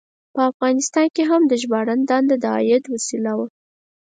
په افغانستان کې هم د ژباړن دنده د عاید وسیله وه.